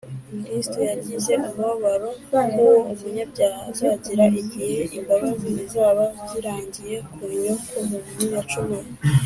kristo yagize umubabaro nk’uwo umunyabyaha azagira igihe imbabazi zizaba zirangiye ku nyokomuntu yacumuye